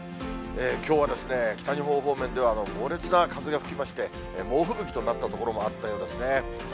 きょうは北日本方面では、猛烈な風が吹きまして、猛吹雪となった所もあったようですね。